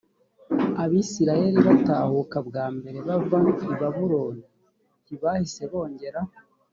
abisirayeli batahukaga bwa mbere bava i babuloni ntibahise bongera